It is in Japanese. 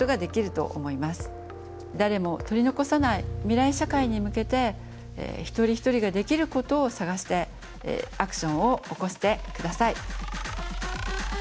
誰も取り残さない未来社会に向けて一人一人ができることを探してアクションを起こして下さい。